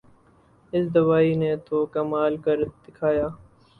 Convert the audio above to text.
اس دوائی نے تو کمال کر دکھایا